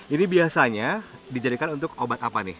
ini biasanya dijadikan untuk obat apa nih